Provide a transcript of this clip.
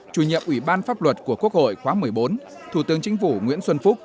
chủ nhiệm ủy ban pháp luật của quốc hội khóa một mươi bốn thủ tướng chính phủ nguyễn xuân phúc